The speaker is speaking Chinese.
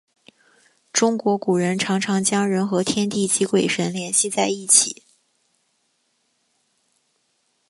中国古人常常将人和天地及鬼神联系在一起。